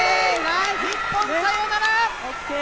日本サヨナラ！